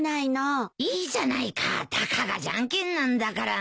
いいじゃないかたかがジャンケンなんだから。